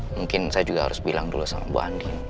mungkin saya juga harus bilang dulu sama bu andi